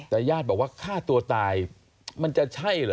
แต่ญาติบอกว่าฆ่าตัวตายมันจะใช่เหรอ